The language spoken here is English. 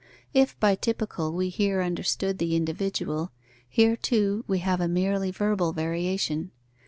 If by typical be here understood the individual, here, too, we have a merely verbal variation.